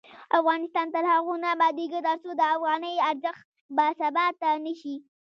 افغانستان تر هغو نه ابادیږي، ترڅو د افغانۍ ارزښت باثباته نشي.